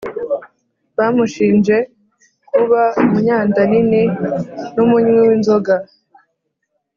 bamushinje kuba umunyandanini n’umunywi w’inzoga